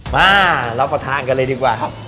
มารับประทานกันเลยดีกว่าครับ